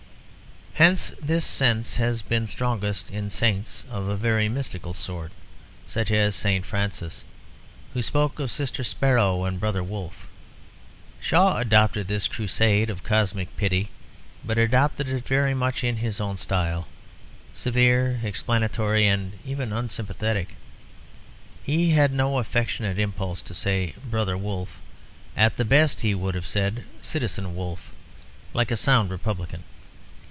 Hence this sense has been strongest in saints of a very mystical sort; such as St. Francis who spoke of Sister Sparrow and Brother Wolf. Shaw adopted this crusade of cosmic pity but adopted it very much in his own style, severe, explanatory, and even unsympathetic. He had no affectionate impulse to say "Brother Wolf"; at the best he would have said "Citizen Wolf," like a sound republican.